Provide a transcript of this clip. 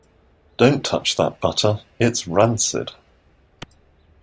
Don't touch that butter. It's rancid!